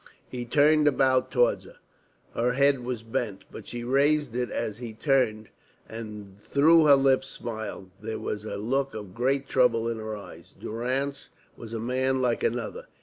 He turned about towards her. Her head was bent, but she raised it as he turned, and though her lips smiled, there was a look of great trouble in her eyes. Durrance was a man like another.